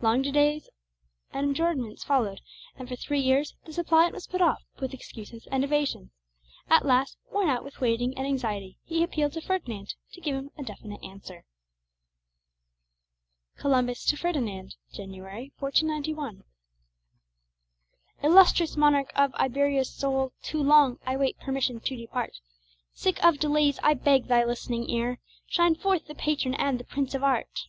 Long delays and adjournments followed; and for three years the suppliant was put off with excuses and evasions. At last, worn out with waiting and anxiety, he appealed to Ferdinand to give him a definite answer. COLUMBUS TO FERDINAND [January, 1491] Illustrious monarch of Iberia's soil, Too long I wait permission to depart; Sick of delays, I beg thy list'ning ear Shine forth the patron and the prince of art.